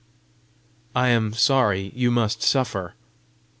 "I am sorry: you must suffer!"